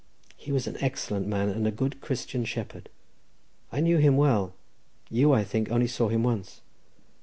He was an excellent man and good Christian shepherd. I knew him well; you, I think, only saw him once."